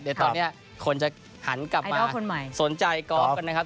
เดี๋ยวตอนนี้คนจะหันกลับมาสนใจกอล์ฟกันนะครับ